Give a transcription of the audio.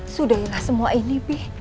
sudahlah semua ini bi